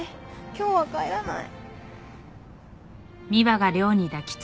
今日は帰らない。